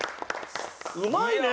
うまいね！